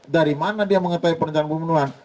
dari mana dia mengetahui perencanaan pembunuhan